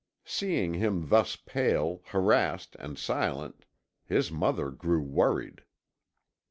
Seeing him thus pale, harassed, and silent, his mother grew worried.